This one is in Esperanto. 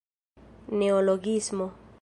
neologismo